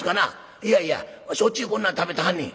「いやいやしょっちゅうこんなん食べてはんねん」。